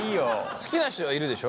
好きな人はいるでしょ？